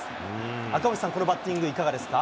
赤星さん、このバッティング、いかがですか。